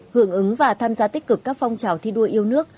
hưởng ứng và tham gia tích cực các phong trào thi đua yêu nước